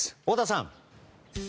太田さん！